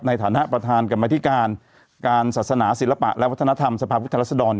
ในฐานะประธานกรรมธิการการศาสนาศิลปะและวัฒนธรรมสภาพุทธรัศดร